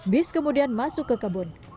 bis kemudian masuk ke kebun